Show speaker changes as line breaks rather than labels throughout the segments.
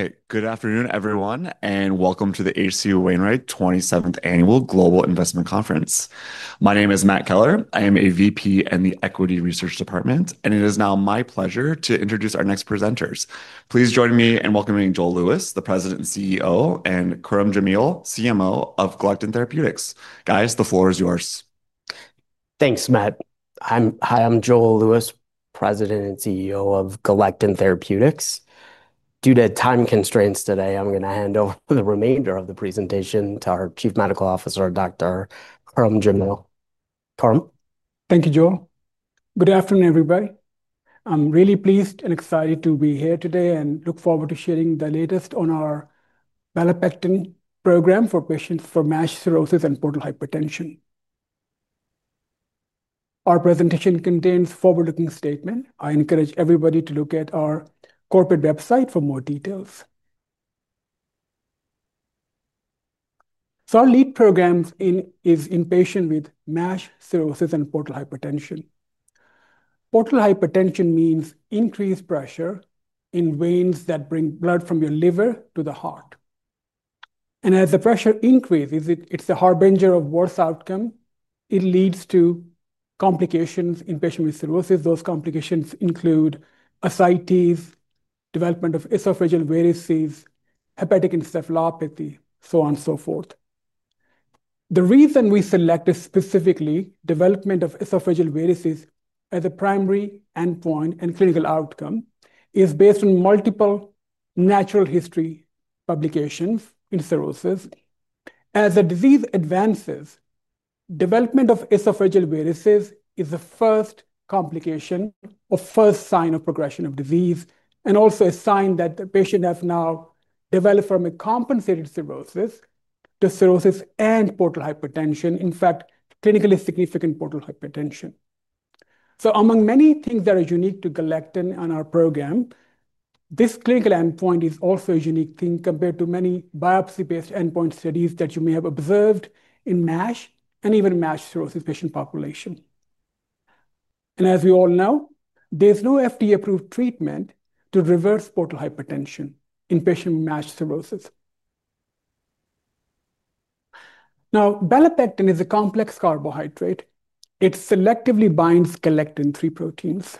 All right. Good afternoon, everyone, and welcome to the H.C. Wainwright 27th Annual Global Investment Conference. My name is Matt Keller. I am a VP in the Equity Research Department, and it is now my pleasure to introduce our next presenters. Please join me in welcoming Joel Lewis, the President and CEO, and Khurram Jamil, CMO of Galectin Therapeutics. Guys, the floor is yours.
Thanks, Matt. Hi, I'm Joel Lewis, President and CEO of Galectin Therapeutics. Due to time constraints today, I'm going to hand over the remainder of the presentation to our Chief Medical Officer, Dr. Khurram Jamil.
Thank you, Joel. Good afternoon, everybody. I'm really pleased and excited to be here today and look forward to sharing the latest on our belapectin program for patients for NASH cirrhosis and portal hypertension. Our presentation contains a forward-looking statement. I encourage everybody to look at our corporate website for more details. Our lead program is in patients with NASH cirrhosis and portal hypertension. Portal hypertension means increased pressure in veins that bring blood from your liver to the heart. As the pressure increases, it's a harbinger of worse outcomes. It leads to complications in patients with cirrhosis. Those complications include ascites, development of esophageal varices, hepatic encephalopathy, so on and so forth. The reason we selected specifically the development of esophageal varices as a primary endpoint and clinical outcome is based on multiple natural history publications in cirrhosis. As the disease advances, the development of esophageal varices is the first complication or first sign of progression of disease and also a sign that the patient has now developed from a compensated cirrhosis to cirrhosis and portal hypertension. In fact, clinically significant portal hypertension. Among many things that are unique to Galectin Therapeutics and our program, this clinical endpoint is also a unique thing compared to many biopsy-based endpoint studies that you may have observed in NASH and even NASH cirrhosis patient population. As we all know, there's no FDA-approved treatment to reverse portal hypertension in patients with NASH cirrhosis. Now, belapectin is a complex carbohydrate. It selectively binds galectin-3 proteins.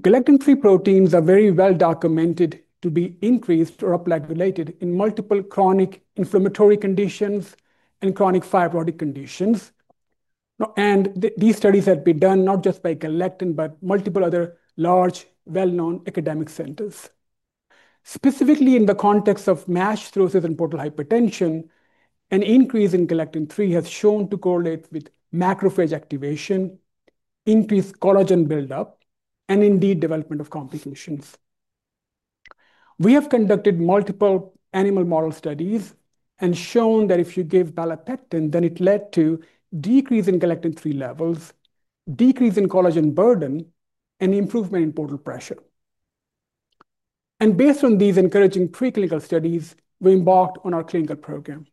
Galectin-3 proteins are very well documented to be increased or up-regulated in multiple chronic inflammatory conditions and chronic fibrotic conditions. These studies have been done not just by Galectin Therapeutics, but multiple other large, well-known academic centers. Specifically, in the context of NASH cirrhosis and portal hypertension, an increase in galectin-3 has shown to correlate with macrophage activation, increased collagen buildup, and indeed development of complications. We have conducted multiple animal model studies and shown that if you give belapectin, then it led to a decrease in galectin-3 levels, a decrease in collagen burden, and an improvement in portal pressure. Based on these encouraging preclinical studies, we embarked on our clinical program.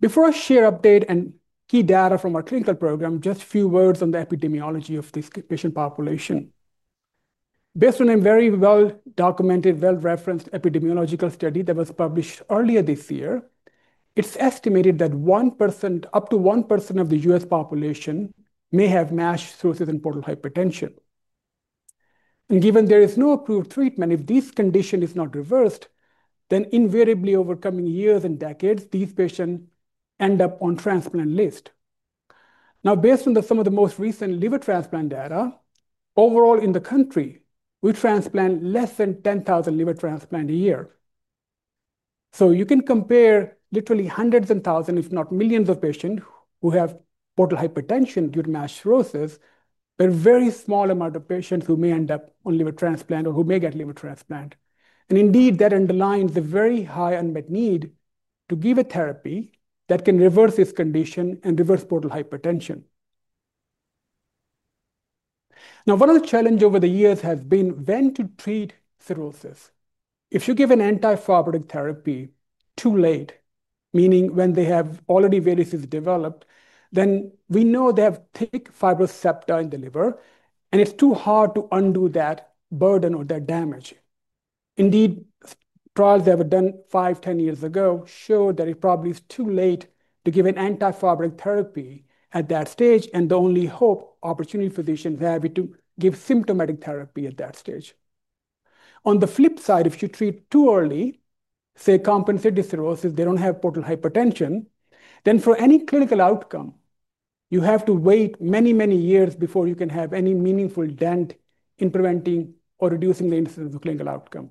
Before I share updates and key data from our clinical program, just a few words on the epidemiology of this patient population. Based on a very well-documented, well-referenced epidemiological study that was published earlier this year, it's estimated that 1%, up to 1% of the U.S. population may have NASH cirrhosis and portal hypertension. Given there is no approved treatment, if this condition is not reversed, then invariably over coming years and decades, these patients end up on the transplant list. Now, based on some of the most recent liver transplant data, overall in the country, we transplant less than 10,000 liver transplants a year. You can compare literally hundreds and thousands, if not millions, of patients who have portal hypertension due to NASH cirrhosis with a very small amount of patients who may end up on liver transplant or who may get liver transplant. Indeed, that underlines a very high unmet need to give a therapy that can reverse this condition and reverse portal hypertension. One of the challenges over the years has been when to treat cirrhosis. If you give an anti-fibrotic therapy too late, meaning when they have already varices developed, then we know they have thick fibrous septa in the liver, and it's too hard to undo that burden or that damage. Indeed, trials that were done five, ten years ago showed that it probably is too late to give an anti-fibrotic therapy at that stage, and the only hope, opportunity physicians have, is to give symptomatic therapy at that stage. On the flip side, if you treat too early, say compensated cirrhosis, they don't have portal hypertension, then for any clinical outcome, you have to wait many, many years before you can have any meaningful dent in preventing or reducing the incidence of clinical outcome.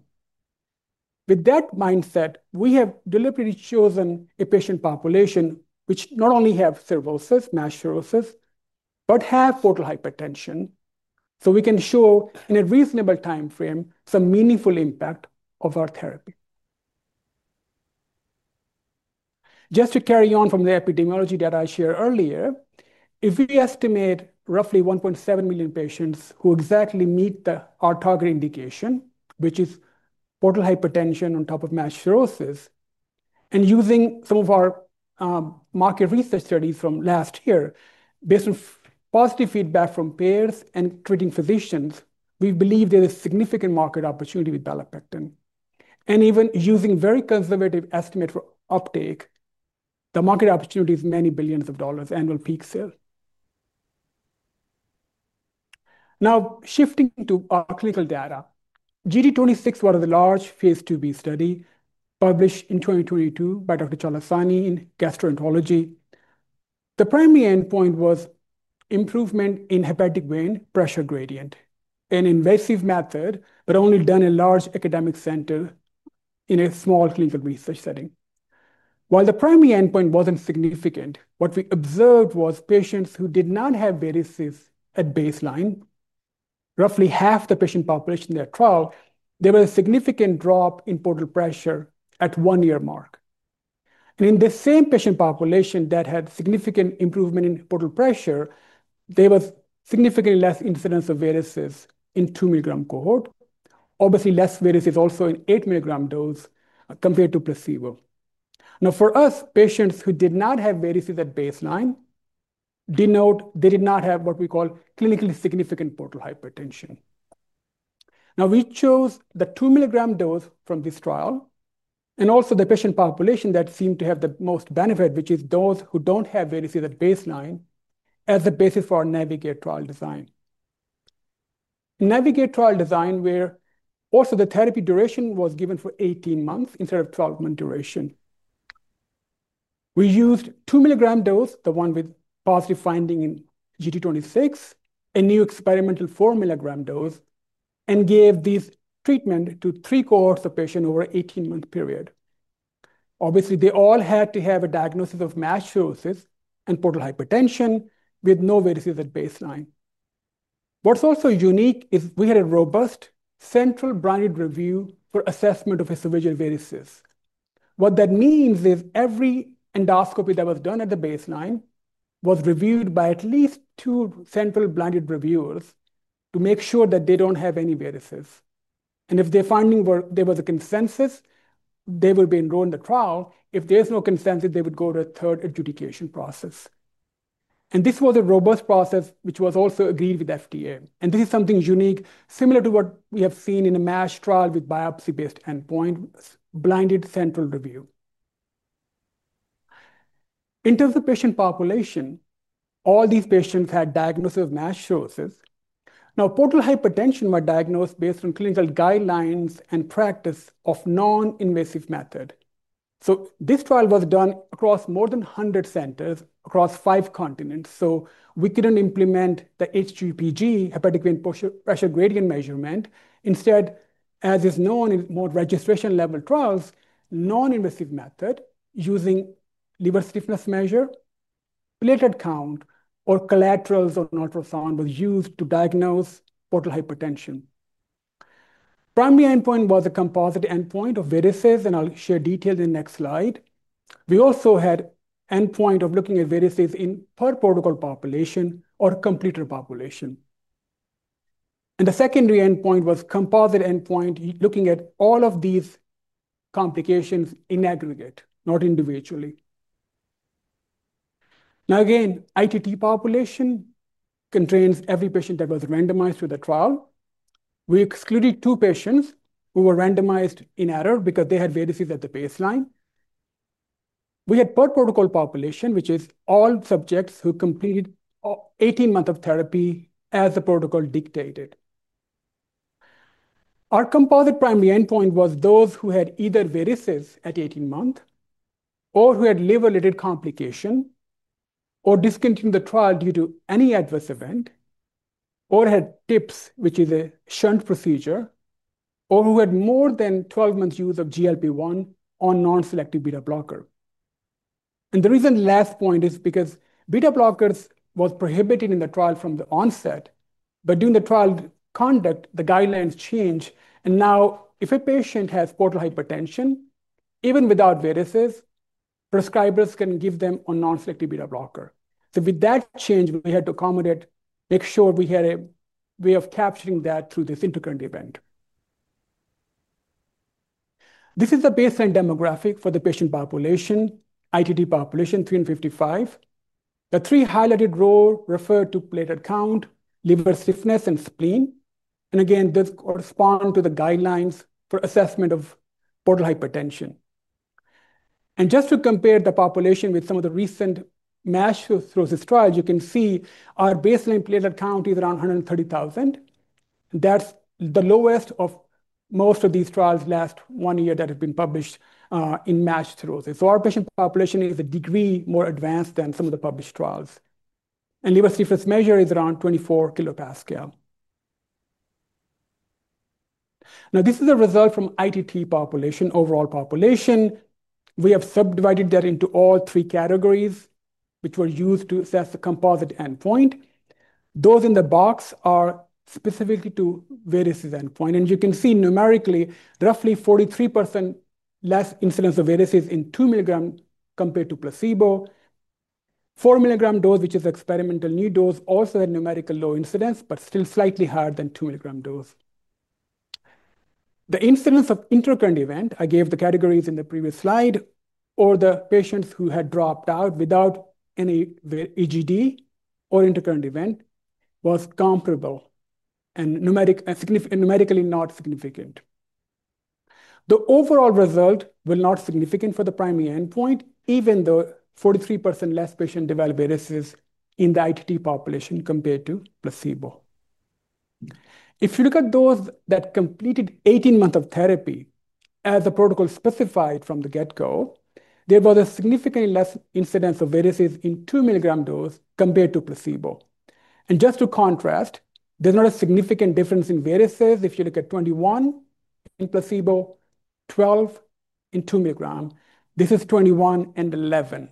With that mindset, we have deliberately chosen a patient population which not only has cirrhosis, NASH cirrhosis, but has portal hypertension, so we can show in a reasonable time frame some meaningful impact of our therapy. Just to carry on from the epidemiology data I shared earlier, if we estimate roughly 1.7 million patients who exactly meet our target indication, which is portal hypertension on top of NASH cirrhosis, and using some of our market research studies from last year, based on positive feedback from payers and treating physicians, we believe there is significant market opportunity with belapectin. Even using very conservative estimates for uptake, the market opportunity is many billions of dollars annual peak sale. Now, shifting to our clinical data, GD26, one of the large Phase IIb studies published in 2022 by Dr. Chalasani in Gastroenterology, the primary endpoint was improvement in hepatic vein pressure gradient. An invasive method, but only done in a large academic center in a small clinical research setting. While the primary endpoint wasn't significant, what we observed was patients who did not have varices at baseline, roughly half the patient population in that trial, there was a significant drop in portal pressure at the one-year mark. In the same patient population that had significant improvement in portal pressure, there was significantly less incidence of varices in the 2 mg cohort. Obviously, less varices also in the 8 mg dose compared to placebo. For us, patients who did not have varices at baseline denote they did not have what we call clinically significant portal hypertension. We chose the 2 mg dose from this trial and also the patient population that seemed to have the most benefit, which is those who don't have varices at baseline, as the basis for our NAVIGATE trial design. NAVIGATE trial design, where also the therapy duration was given for 18 months instead of a 12-month duration. We used the 2 mg dose, the one with positive findings in GD26, a new experimental 4 mg dose, and gave this treatment to three cohorts of patients over an 18-month period. They all had to have a diagnosis of NASH cirrhosis and portal hypertension with no varices at baseline. What's also unique is we had a robust central-blinded review for assessment of esophageal varices. What that means is every endoscopy that was done at the baseline was reviewed by at least two central-blinded reviewers to make sure that they don't have any varices. If their findings were, there was a consensus, they would be enrolled in the trial. If there was no consensus, they would go to a third adjudication process. This was a robust process which was also agreed with FDA. This is something unique, similar to what we have seen in a NASH trial with biopsy-based endpoints, blinded central review. In terms of patient population, all these patients had a diagnosis of NASH cirrhosis. Portal hypertension was diagnosed based on clinical guidelines and practice of a non-invasive method. This trial was done across more than 100 centers across five continents, so we couldn't implement the HVPG, hepatic vein pressure gradient measurement. Instead, as is known in more registration-level trials, a non-invasive method using liver stiffness measurement, platelet count, or collaterals on ultrasound was used to diagnose portal hypertension. The primary endpoint was a composite endpoint of varices, and I'll share details in the next slide. We also had an endpoint of looking at varices in the per-protocol population or completer population. The secondary endpoint was a composite endpoint looking at all of these complications in aggregate, not individually. Now, again, the ITT population contains every patient that was randomized through the trial. We excluded two patients who were randomized in error because they had varices at the baseline. We had the per-protocol population, which is all subjects who completed 18 months of therapy as the protocol dictated. Our composite primary endpoint was those who had either varices at 18 months or who had liver-related complications or discontinued the trial due to any adverse event or had TIPS, which is a shunt procedure, or who had more than 12 months' use of GLP-1 or non-selective beta blocker. The reason the last point is because beta blockers were prohibited in the trial from the onset, but during the trial conduct, the guidelines changed. Now, if a patient has portal hypertension, even without varices, prescribers can give them a non-selective beta blocker. With that change, we had to accommodate, make sure we had a way of capturing that through this intercurrent event. This is the baseline demographic for the patient population, the ITT population, 355. The three highlighted rows refer to platelet count, liver stiffness, and spleen. This corresponds to the guidelines for assessment of portal hypertension. Just to compare the population with some of the recent NASH cirrhosis trials, you can see our baseline platelet count is around 130,000. That's the lowest of most of these trials last one year that have been published in NASH cirrhosis. Our patient population is a degree more advanced than some of the published trials. Liver stiffness measurement is around 24 kilopascal. This is a result from the ITT population, overall population. We have subdivided that into all three categories, which were used to assess the composite endpoint. Those in the box are specific to the varices endpoint. You can see numerically, roughly 43% less incidence of varices in 2 mg compared to placebo. The 4 mg dose, which is the experimental new dose, also had numerically low incidence, but still slightly higher than the 2 mg dose. The incidence of intercurrent event, I gave the categories in the previous slide, or the patients who had dropped out without any EGD or intercurrent event was comparable and numerically not significant. The overall result was not significant for the primary endpoint, even though 43% less patients developed varices in the ITT population compared to placebo. If you look at those that completed 18 months of therapy, as the protocol specified from the get-go, there was a significantly less incidence of varices in the 2 mg dose compared to placebo. Just to contrast, there's not a significant difference in varices if you look at 21 in placebo and 12 in 2 mg. This is 21 and 11.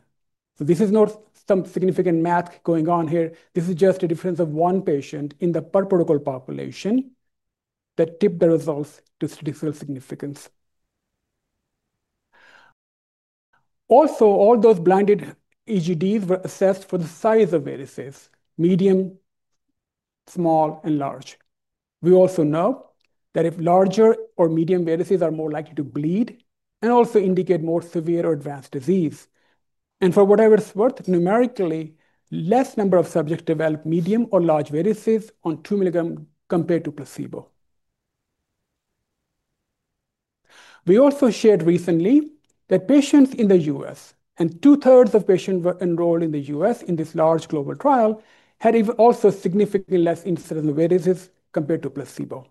This is not some significant math going on here. This is just a difference of one patient in the per-protocol population that tipped the results to statistical significance. Also, all those blinded EGDs were assessed for the size of varices, medium, small, and large. We also know that if larger or medium varices are more likely to bleed and also indicate more severe or advanced disease. For whatever it's worth, numerically, a less number of subjects developed medium or large varices on 2 mg compared to placebo. We also shared recently that patients in the U.S., and two-thirds of patients were enrolled in the U.S. in this large global trial, had also significantly less incidence of varices compared to placebo.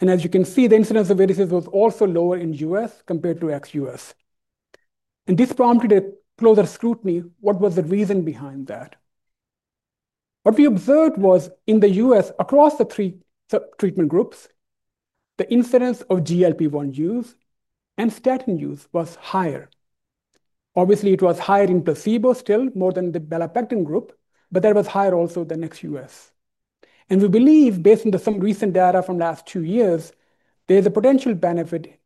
You can see the incidence of varices was also lower in the U.S. compared to ex-U.S. This prompted a closer scrutiny. What was the reason behind that? What we observed was in the U.S., across the three treatment groups, the incidence of GLP-1 use and statin use was higher. Obviously, it was higher in placebo still, more than the belapectin group, but that was higher also than ex-U.S. We believe, based on some recent data from the last two years, there's a potential benefit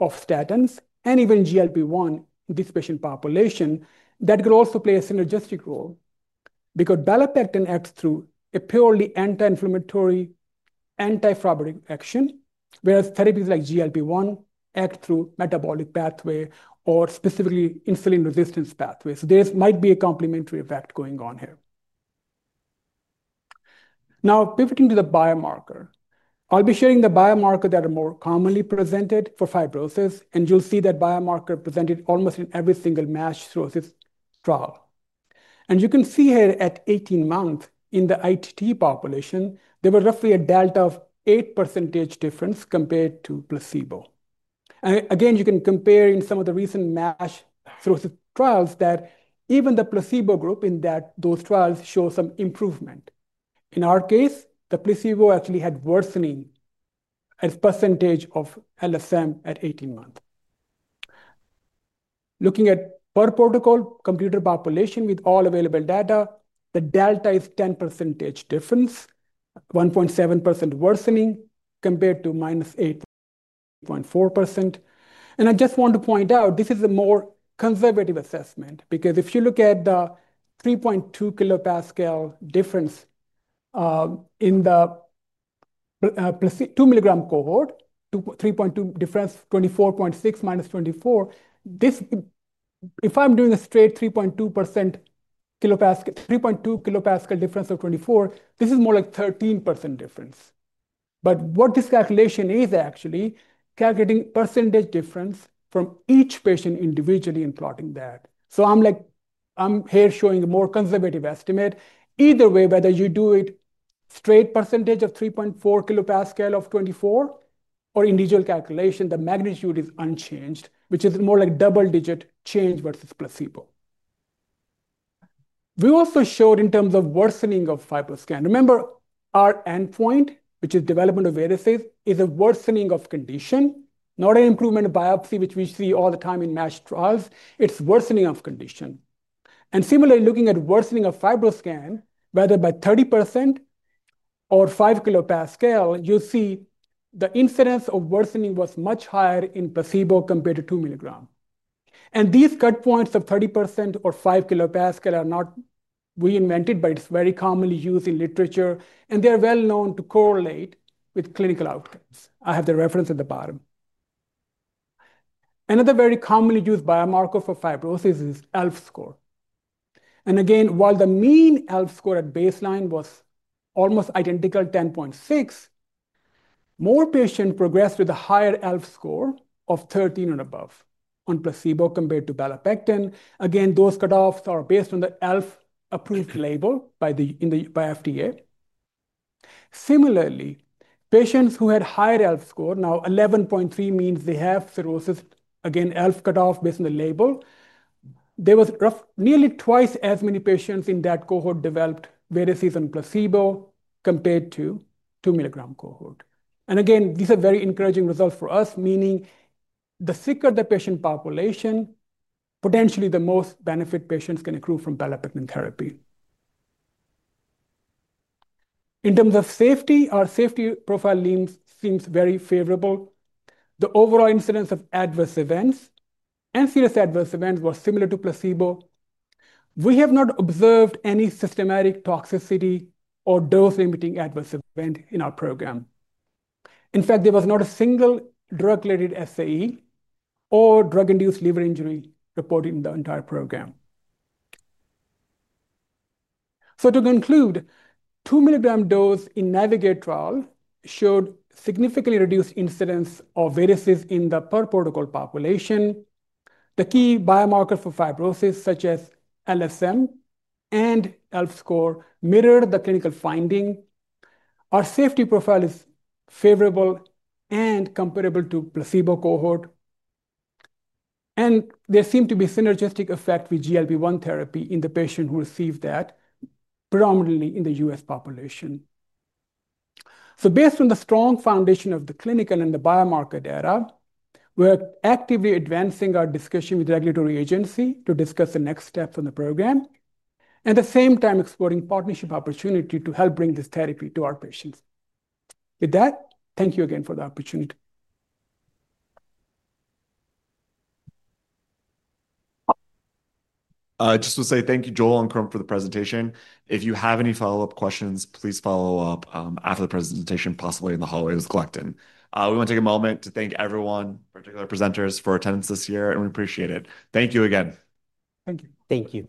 of statins and even GLP-1 in this patient population that could also play a synergistic role because belapectin acts through a purely anti-inflammatory, anti-fiber action, whereas therapies like GLP-1 act through a metabolic pathway or specifically insulin-resistant pathways. There might be a complementary effect going on here. Now, pivoting to the biomarker, I'll be sharing the biomarker that are more commonly presented for fibrosis, and you'll see that biomarker presented almost in every single NASH cirrhosis trial. You can see here at 18 months in the ITT population, there was roughly a delta of 8% difference compared to placebo. Again, you can compare in some of the recent NASH cirrhosis trials that even the placebo group in those trials shows some improvement. In our case, the placebo actually had worsening as a percentage of LSM at 18 months. Looking at per-protocol computer population with all available data, the delta is a 10% difference, 1.7% worsening compared to minus 8.4%. I just want to point out this is a more conservative assessment because if you look at the 3.2 kilopascal difference in the 2 mg cohort, 3.2 difference, 24.6 minus 24. If I'm doing a straight 3.2%, 3.2 kilopascal difference of 24, this is more like a 13% difference. What this calculation is actually calculating is a percentage difference from each patient individually and plotting that. I'm here showing a more conservative estimate. Either way, whether you do it straight percentage of 3.4 kilopascal of 24 or individual calculation, the magnitude is unchanged, which is more like double-digit change versus placebo. We also showed in terms of worsening of fibroscan. Remember, our endpoint, which is the development of varices, is a worsening of condition, not an improvement in biopsy, which we see all the time in NASH trials. It's a worsening of condition. Similarly, looking at worsening of fibroscan, whether by 30% or 5 kilopascal, you'll see the incidence of worsening was much higher in placebo compared to 2 mg. These cut points of 30% or 5 kilopascal are not reinvented, but it's very commonly used in literature, and they're well known to correlate with clinical outcomes. I have the reference at the bottom. Another very commonly used biomarker for fibrosis is the ELF score. Again, while the mean ELF score at baseline was almost identical, 10.6, more patients progressed with a higher ELF score of 13 and above on placebo compared to belapectin. Those cutoffs are based on the ELF-approved label by FDA. Similarly, patients who had a higher ELF score, now 11.3, means they have cirrhosis. Again, ELF cutoff based on the label. There were nearly twice as many patients in that cohort who developed varices on placebo compared to the 2 mg cohort. These are very encouraging results for us, meaning the sicker the patient population, potentially the most benefit patients can accrue from belapectin therapy. In terms of safety, our safety profile seems very favorable. The overall incidence of adverse events and serious adverse events was similar to placebo. We have not observed any systematic toxicity or dose-limiting adverse events in our program. In fact, there was not a single drug-related SAE or drug-induced liver injury reported in the entire program. To conclude, the 2 mg dose in the NAVIGATE trial showed significantly reduced incidence of varices in the per-protocol population. The key biomarkers for fibrosis, such as LSM and ELF score, mirrored the clinical findings. Our safety profile is favorable and comparable to the placebo cohort, and there seemed to be a synergistic effect with GLP-1 therapy in the patients who received that, predominantly in the U.S. population. Based on the strong foundation of the clinical and the biomarker data, we're actively advancing our discussion with the regulatory agency to discuss the next steps in the program and at the same time exploring partnership opportunities to help bring this therapy to our patients. With that, thank you again for the opportunity.
I just want to say thank you, Joel and Khurram, for the presentation. If you have any follow-up questions, please follow up after the presentation, possibly in the hallways of Galectin Therapeutics. We want to take a moment to thank everyone, particularly our presenters, for attendance this year, and we appreciate it. Thank you again.
Thank you.
Thank you.